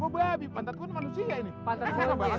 coba mau keren lah